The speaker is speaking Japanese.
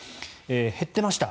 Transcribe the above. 減っていました。